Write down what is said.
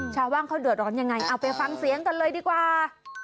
ชาวบ้านเขาเดือดร้อนยังไงเอาไปฟังเสียงกันเลยดีกว่า